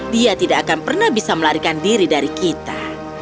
dia tidak akan pernah bisa melarikan diri dari kita